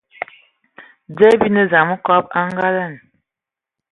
Dze bi ne dzam kɔb a angada.